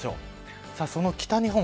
その北日本